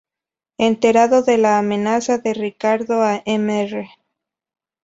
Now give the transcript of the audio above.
Enterado de la amenaza de Ricardo a Mr.